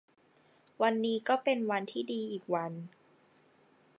วันนี้ก็เป็นวันที่ดีอีกวัน